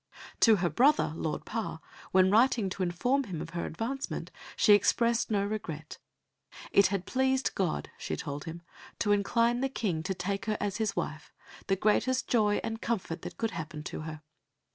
To her brother, Lord Parr, when writing to inform him of her advancement, she expressed no regret. It had pleased God, she told him, to incline the King to take her as his wife, the greatest joy and comfort that could happen to her.